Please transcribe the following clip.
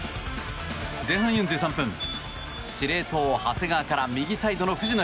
前半４３分司令塔、長谷川から右サイドの藤野。